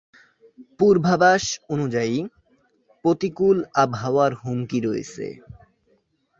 পূর্বাভাস অনুযায়ী, প্রতিকূল আবহাওয়ার হুমকি রয়েছে।